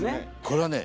これはね